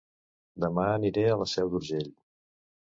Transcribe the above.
Dema aniré a La Seu d'Urgell